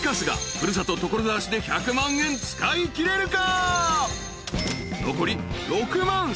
古里所沢市で１００万円使いきれるか？］